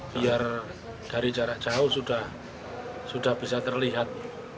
biar dari jarak jauh sudah bisa terlihat